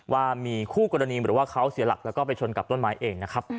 ว่ามีคู่กรณีหรือว่าเขาเสียหลักแล้วก็ไปชนกับต้นไม้เองนะครับ